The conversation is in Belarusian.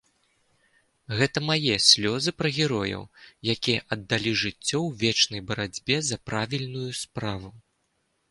Гэта мае слёзы пра герояў, якія аддалі жыццё ў вечнай барацьбе за правільную справу!